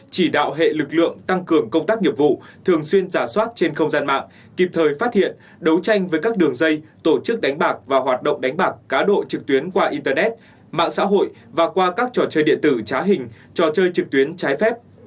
chỉ đạo hệ lực lượng tăng cường công tác nghiệp vụ thường xuyên giả soát trên không gian mạng kịp thời phát hiện đấu tranh với các đường dây tổ chức đánh bạc và hoạt động đánh bạc cá độ trực tuyến qua internet mạng xã hội và qua các trò chơi điện tử trá hình trò chơi trực tuyến trái phép